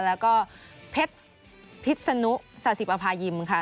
แล้วก็เพชรพิษนุสาธิปภายิมค่ะ